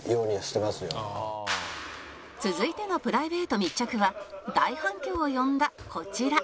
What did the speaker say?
続いてのプライベート密着は大反響を呼んだこちら